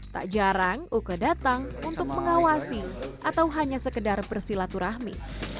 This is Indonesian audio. tak jarang uke datang untuk mengawasi atau hanya sekedar bersilaturahmi